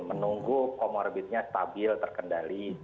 menunggu komorbidnya stabil terkendali